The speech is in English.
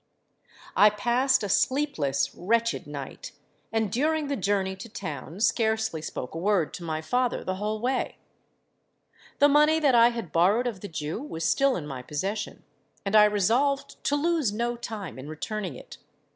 I passed a sleepless—wretched night; and during the journey to town, scarcely spoke a word to my father the whole way. "The money that I had borrowed of the Jew was still in my possession; and I resolved to lose no time in returning it.